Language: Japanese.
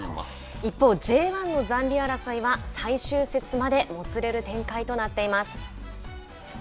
一方、Ｊ１の残留争いは最終節までもつれる展開となっています。